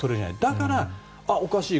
だからおかしい